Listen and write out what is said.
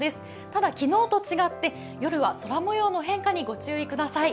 ただ昨日と違って夜は空もようの変化にご注意ください。